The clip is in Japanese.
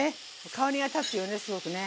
香りが立つよねすごくね。